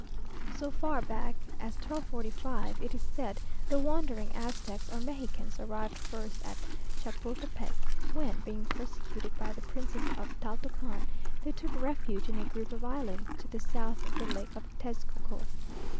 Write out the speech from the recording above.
So far back as 1245, it is said the wandering Aztecs or Mexicans arrived first at Chapultepec, when, being persecuted by the princes of Taltocan, they took refuge in a group of islands to the south of the lake of Tezcuco.